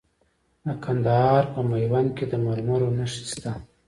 د کندهار په میوند کې د مرمرو نښې شته.